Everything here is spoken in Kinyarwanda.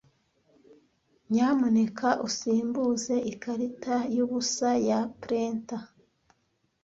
Nyamuneka usimbuze ikarita yubusa ya printer.